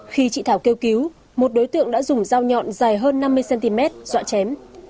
khi chị thảo kêu cứu một đối tượng đã dùng dao nhọn dài hơn năm mươi cm dọa chém